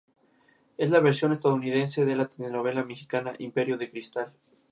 Es la versión estadounidense de la telenovela mexicana Imperio de cristal.